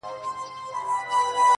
شپږ اووه شپې په ټول ښار کي وه جشنونه،